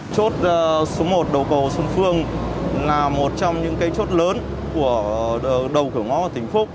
chốt số một đầu cầu xuân phương là một trong những cái chốt lớn của đầu cửa ngõ của tỉnh phúc